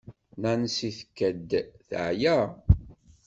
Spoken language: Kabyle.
Nancy tkad-d teɛya.